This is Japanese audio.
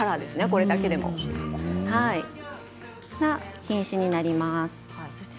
これだけでも。という品種になります。